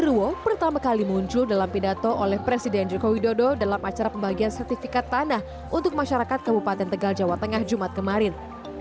surwo pertama kali muncul dalam pidato oleh presiden joko widodo dalam acara pembagian sertifikat tanah untuk masyarakat kabupaten tegal jawa tengah jumat kemarin